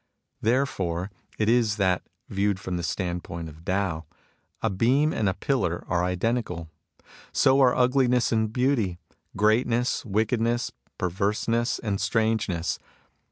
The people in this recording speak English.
... Therefore it is that, viewed from the standpoint of Tao, a beam and a pillar are identical. So are ugliness and beauty, greatness, wickedness, perverseness, and strangeness.